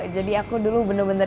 jadi aku dulu bener bener